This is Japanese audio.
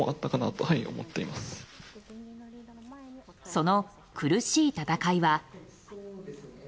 その苦しい戦いは。